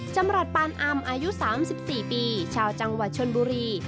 จำรัฐปานอำอายุ๓๔ปีชาวจังหวัดชนบุรี